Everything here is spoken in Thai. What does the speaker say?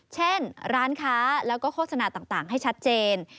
เช่นร้านค้าแล้วก็โฆษณาต่างให้ชัดเจน